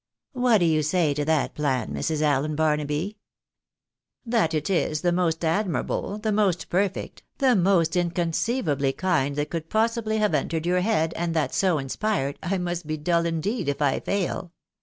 What do you say to that plan, Mrs. Allen Barnaby ?" "That it is the most admirable, the most perfect, the most in conceivably kind that could possibly have entered your head, and that so inspired, I must be dull indeed if I fail.